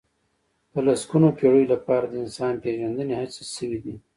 د لسګونو پېړيو لپاره د انسان پېژندنې هڅې شوي دي.